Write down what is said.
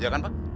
iya kan pak